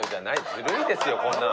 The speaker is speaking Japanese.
ずるいですよこんなん。